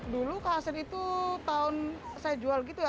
dulu kasir itu tahun saya jual gitu ya